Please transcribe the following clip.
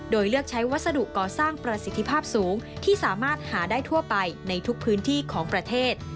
โดยเลือกใช้วัสดุก่อสร้างประสิทธิภาพสูงที่สามารถหาได้ทั่วไปในทุกพื้นที่ของประเทศ